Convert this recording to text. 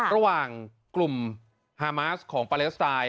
ระหว่างกลุ่มฮามาสของปาเลสไตน์